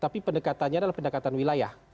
tapi pendekatannya adalah pendekatan wilayah